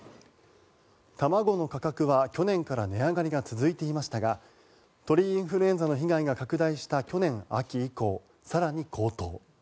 卵の価格は去年から値上がりが続いていましたが鳥インフルエンザの被害が拡大した去年秋以降、更に高騰。